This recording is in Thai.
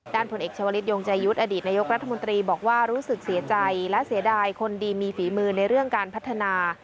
ผลเอกชาวลิศยงใจยุทธ์อดีตนายกรัฐมนตรีบอกว่ารู้สึกเสียใจและเสียดายคนดีมีฝีมือในเรื่องการพัฒนา